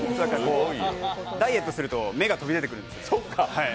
ダイエットすると目が飛び出てくるんです。